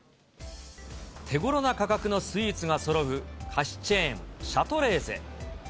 手ごろな価格のスイーツがそろう菓子チェーン、シャトレーゼ。